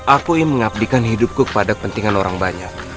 aku ingin mengabdikan hidupku kepada kepentingan orang banyak